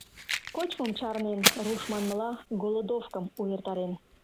Кочмым чарнен, руш манмыла, голодовкым увертарен.